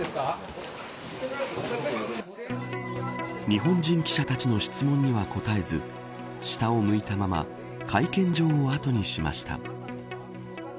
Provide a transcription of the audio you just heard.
日本人記者たちの質問には答えず下を向いたまま会見場を後にしました。